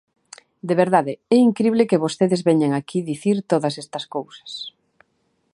De verdade, é incrible que vostedes veñan aquí dicir todas estas cousas.